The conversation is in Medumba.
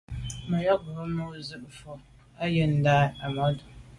Mə́ gə̀ yɔ̌ŋ yə́ mû' nsî vwá mə̀ yə́ á ndǎ' Ahmadou.